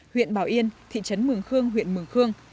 huyện bảo yên thị trấn mường khương huyện mường khương